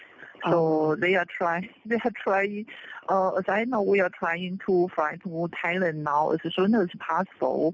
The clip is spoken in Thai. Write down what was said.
พวกพวกมันพยายามหาไทยเต็มที่แก้ไปได้